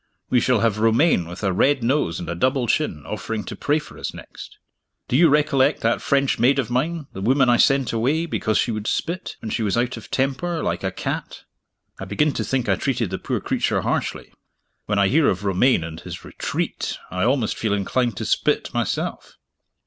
We shall have Romayne with a red nose and a double chin, offering to pray for us next! Do you recollect that French maid of mine the woman I sent away, because she would spit, when she was out of temper, like a cat? I begin to think I treated the poor creature harshly. When I hear of Romayne and his Retreat, I almost feel inclined to spit, myself.